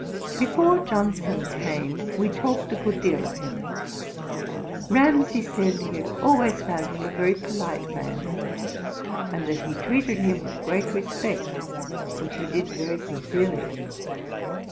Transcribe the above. Before Johnson came we talked a good deal of him; Ramsay said he had always found him a very polite man, and that he treated him with great respect, which he did very sincerely.